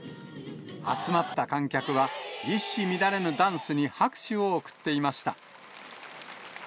集まった観客は、一糸乱れぬダンスに拍手を送っていました。